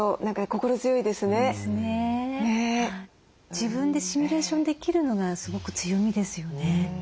自分でシミュレーションできるのがすごく強みですよね。